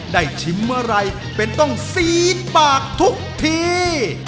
ได้ชิมอะไรเป็นต้องซี๊ดปากทุกที